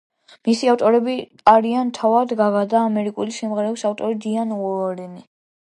მისი ავტორები არიან თავად გაგა და ამერიკელი სიმღერების ავტორი დაიან უორენი.